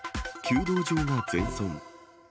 弓道場が全損。